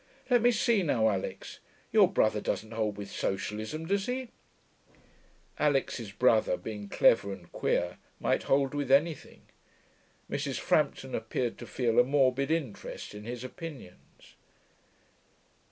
Let me see now, Alix, your brother doesn't hold with socialism, does he?' Alix's brother, being clever and queer, might hold with anything. Mrs. Frampton appeared to feel a morbid interest in his opinions.